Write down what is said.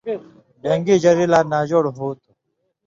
ڈېن٘گی ژری لا ناجوڑ ہوں تھو۔